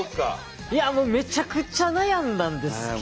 いやもうめちゃくちゃ悩んだんですけど。